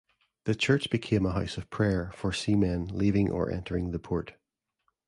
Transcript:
The church became a house of prayer for seamen leaving or entering the port.